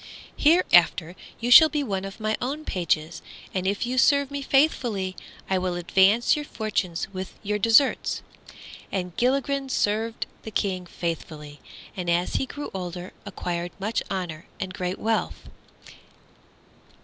Hereafter you shall be one of my own pages, and if you serve me faithfully I will advance your fortunes with your deserts." And Gilligren did serve the King faithfully, and as he grew older acquired much honor and great wealth.